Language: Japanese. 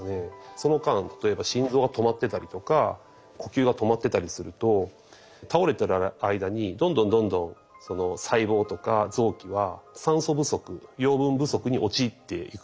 その間例えば心臓が止まってたりとか呼吸が止まってたりすると倒れている間にどんどんどんどんその細胞とか臓器は酸素不足養分不足に陥っていくわけですね。